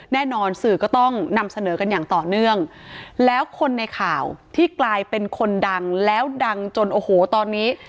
แน่นอนสื่อก็ต้องนำเสนอกันอย่างต่อเนื่องแล้วคนในข่าวที่กลายเป็นคนดังแล้วดังจนโอ้โหตอนนี้